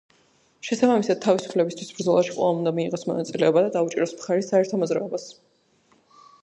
შესაბამისად, თავისუფლებისთვის ბრძოლაში ყველამ უნდა მიიღოს მონაწილეობა და დაუჭიროს მხარი საერთო მოძრაობას.